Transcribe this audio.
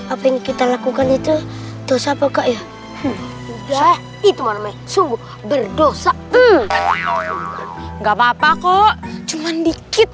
apa yang kita lakukan itu dosa pokoknya ya itu memang sungguh berdosa enggak papa kok cuman dikit